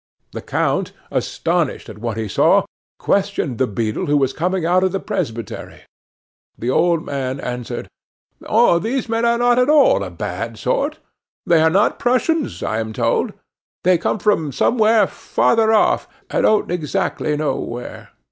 The count, astonished at what he saw, questioned the beadle who was coming out of the presbytery. The old man answered: "Oh, those men are not at all a bad sort; they are not Prussians, I am told; they come from somewhere farther off, I don't exactly know where.